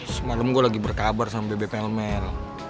semalam gue lagi berkabar sama bebe pelmer